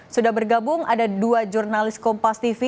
sudah bergabung ada dua jurnalis kompastv